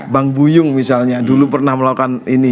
bang buyung misalnya dulu pernah melakukan ini